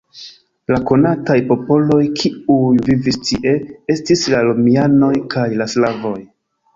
La konataj popoloj, kiuj vivis tie, estis la romianoj kaj la slavoj.